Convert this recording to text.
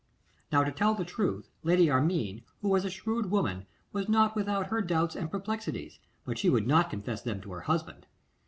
Now, to tell the truth, Lady Armine, who was a shrewd woman, was not without her doubts and perplexities, but she would not confess them to her husband.